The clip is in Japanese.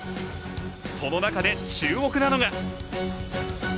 その中で注目なのが。